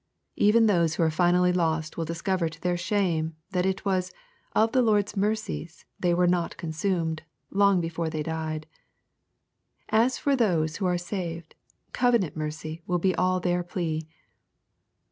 Even those who are finally lost will discover to their shame^ that it was " of the Lord's mercies they were not con Bumed" long before they died. As for those who are saved, covenant mercy will be all their plea.